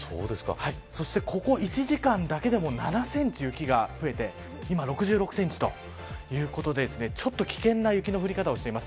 そしてここ１時間だけでも７センチ雪が増えて今、６６センチということでちょっと危険な雪の降り方をしています。